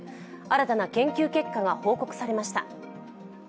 新たな研究結果が報告されました。